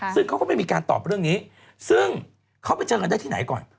ซึ่งเขาก็ไม่มีการตอบเรื่องนี้ซึ่งเขาไปเจอกันได้ที่ไหนก่อน